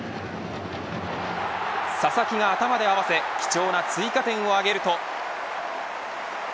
佐々木が頭で合わせ貴重な追加点を挙げると。